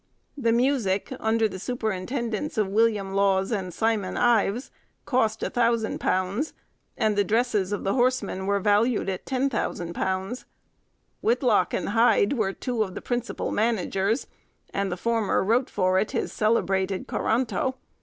The music, under the superintendence of William Lawes and Simon Ives, cost £1000, and the dresses of the horsemen were valued at £10,000. Whitelocke and Hyde were two of the principal managers, and the former wrote for it his celebrated 'Coranto.